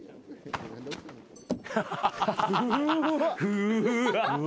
うわ。